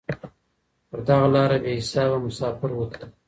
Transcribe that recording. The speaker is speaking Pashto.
پر دغه لاره بې حسابه مساپر وتلي